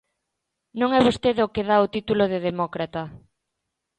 Non é vostede o que dá o título de demócrata.